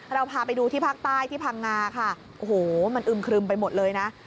เราพาไปดูที่ภาคใต้ที่พังงาค่ะโอ้โหมันอึมครึมไปหมดเลยนะ